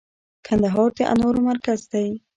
کندهار د انارو مرکز دی